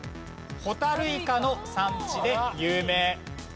ホタルイカの産地で有名。